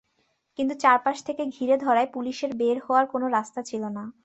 কিন্তু চারপাশ থেকে ঘিরে ধরায় পুলিশের বের হওয়ার কোনো রাস্তা ছিল না।